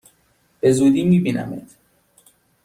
به زودی می بینمت!